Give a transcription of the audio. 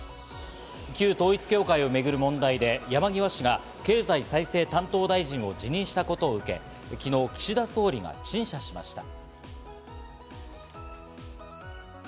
旧統一教会をめぐる問題で山際氏が経済再生担当大臣を辞任したことを受け、昨日、岸田総理が陳謝しました。